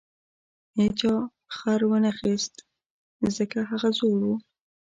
هیچا خر ونه خیست ځکه هغه زوړ و.